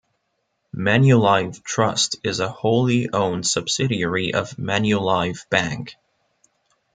Manulife Trust is a wholly owned subsidiary of Manulife Bank.